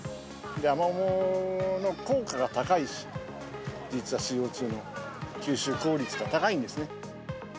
アマモの効果が高いし、実はＣＯ２の吸収効率が高いんですね。